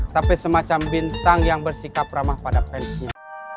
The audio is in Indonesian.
tapi semacam bintang yang bersikap ramah pada pensiun